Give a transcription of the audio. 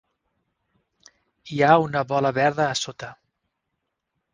Hi ha una bola verda a sota.